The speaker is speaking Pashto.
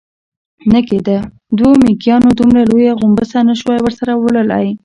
نه کېده، دوو مېږيانو دومره لويه غومبسه نه شوای ورسره وړلای.